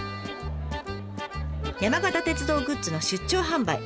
山形鉄道グッズの出張販売。